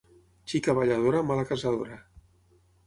Xica balladora, mala casadora.